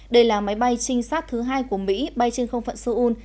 đây là máy bay trinh sát thứ hai của mỹ bay trên không phận seoul